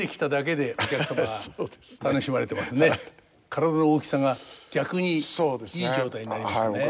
体の大きさが逆にいい状態になりましたね。